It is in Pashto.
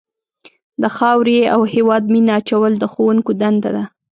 د خاورې او هېواد مینه اچول د ښوونکو دنده ده.